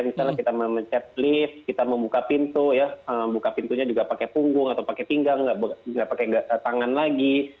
misalnya kita mencet lift kita membuka pintu ya buka pintunya juga pakai punggung atau pakai pinggang tidak pakai tangan lagi